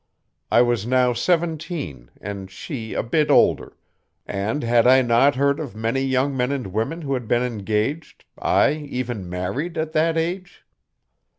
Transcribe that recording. I was now seventeen and she a bit older, and had I not heard of many young men and women who had been engaged aye, even married at that age?